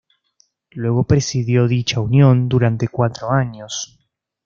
Luego presidió dicha Unión durante cuatro años.